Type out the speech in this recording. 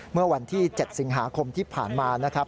เมื่อวันที่๗สิงหาคมที่ผ่านมานะครับ